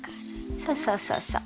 そうそうそうそう。